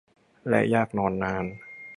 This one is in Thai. และอยากนอนนาน